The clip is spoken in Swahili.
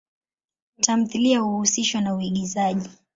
Tamthilia huhusishwa na uigizaji.